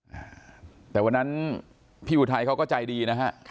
พี่ค่ะแต่วันนั้นพี่อุทัยก็ใจดีนะครับ